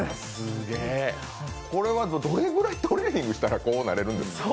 これはどれぐらいトレーニングしたらこうなれるんですか。